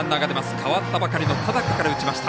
代わったばかりの田高から打ちました。